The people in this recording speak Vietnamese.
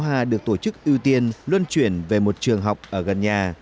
cô đã được tổ chức ưu tiên luân chuyển về một trường học ở gần nhà